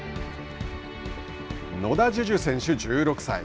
野田樹潤選手、１６歳。